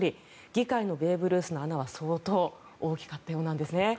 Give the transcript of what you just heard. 議会のベーブ・ルースの穴は相当大きかったようなんです。